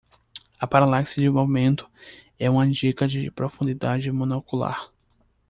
A paralaxe de movimento é uma dica de profundidade monocular.